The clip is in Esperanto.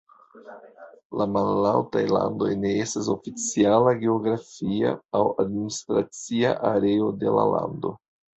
La Malaltaj Landoj ne estas oficiala geografia aŭ administracia areo de la lando.